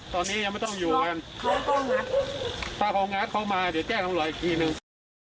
ตอนนี้ยังไม่ต้องอยู่กันพาของงานเขามาเดี๋ยวแจ้งทำร้อยอีกทีหนึ่ง